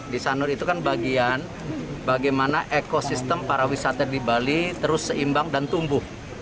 disanur itu kan bagian bagaimana ekosistem pariwisata di bali terus seimbang dan tumbuh